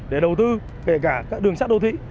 để đầu tư về cả các đường sát đô thị